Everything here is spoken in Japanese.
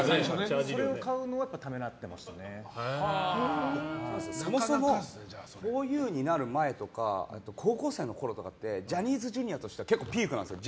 それを買うのはそもそもふぉゆになる前とか高校生のころってジャニーズＪｒ．だと結構ピークなんですよ